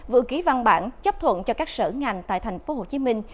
vừa ký văn bản chấp thuận cho các sở ngành tại thành phố hồ chí minh